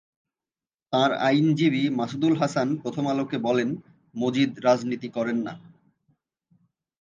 তাঁর আইনজীবী মাসুদুল হাসান প্রথম আলোকে বলেন, মজিদ রাজনীতি করেন না।